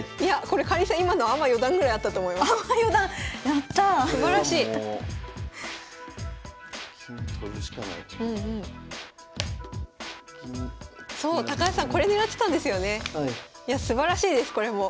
いやすばらしいですこれも。